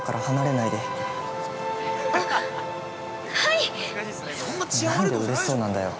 何でうれしそうなんだよ。